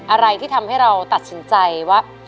อะไรที่ทำให้เราตัดสินใจว่า